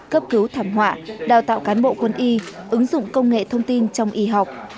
cấp cứu thảm họa đào tạo cán bộ quân y ứng dụng công nghệ thông tin trong y học